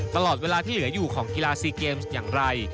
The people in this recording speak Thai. ตลอดเวลาที่เหลืออยู่ของกีฬาซีเกมส์อย่างไร